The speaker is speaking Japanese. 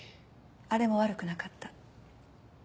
あれも悪くなかった。